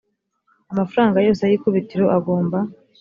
amafaranga yose y ikubitiro agomba